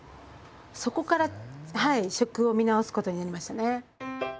そこからはい食を見直すことになりましたね。